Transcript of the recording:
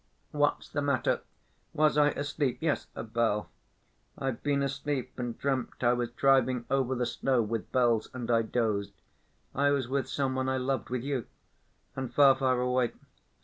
"What's the matter? Was I asleep? Yes ... a bell ... I've been asleep and dreamt I was driving over the snow with bells, and I dozed. I was with some one I loved, with you. And far, far away.